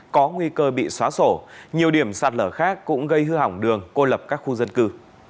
có nguy cơ bị xóa sổ nhiều điểm sạt lở khác cũng gây hư hỏng đường cô lập các khu dân cư